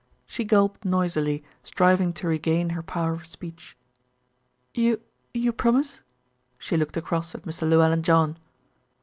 She gulped noisily, striving to regain her power of speech. "You you promise?" She looked across at Mr. Llewellyn John.